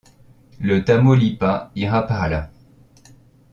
Le Tamaulipas ira par là.